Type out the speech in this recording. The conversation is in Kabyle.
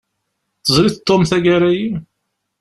Teẓriḍ Tom tagara-yi?